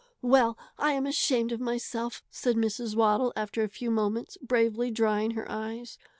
"Well, I am ashamed of myself!" said Mrs. Waddle, after a few moments, bravely drying her eyes.